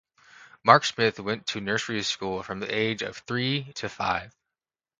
Mark Smith went to nursery school from the age of three to five.